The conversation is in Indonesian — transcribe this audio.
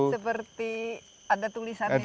seperti ada tulisannya di sini